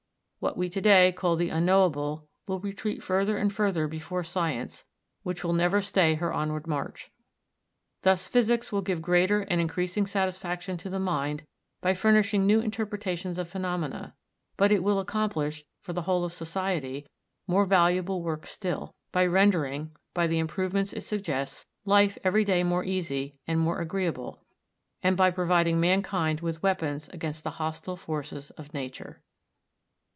What we to day call the unknowable, will retreat further and further before science, which will never stay her onward march. Thus physics will give greater and increasing satisfaction to the mind by furnishing new interpretations of phenomena; but it will accomplish, for the whole of society, more valuable work still, by rendering, by the improvements it suggests, life every day more easy and more agreeable, and by providing mankind with weapons against the hostile forces of Nature.